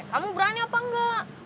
kamu berani apa enggak